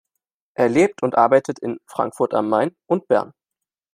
Er lebt und arbeitet in Frankfurt am Main und Bern.